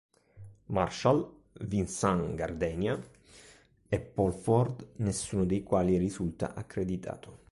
Marshall, Vincent Gardenia e Paul Ford, nessuno dei quali risulta accreditato.